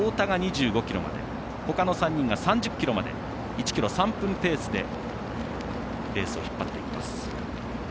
太田が２５ｋｍまで他の３人が３０ｋｍまででペースを引っ張っていきます。